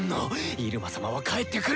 イルマ様は帰ってくる！